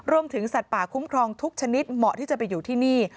สัตว์ป่าคุ้มครองทุกชนิดเหมาะที่จะไปอยู่ที่นี่